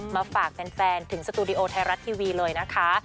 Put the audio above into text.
มาฝากแฟนถึงสตูดิโอไทยรัฐทีวีเลยนะคะ